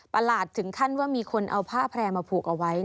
หลาดถึงขั้นว่ามีคนเอาผ้าแพร่มาผูกเอาไว้